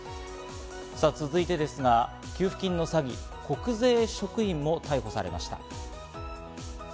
続いてですが給付金の詐欺、国税職員も逮捕されました。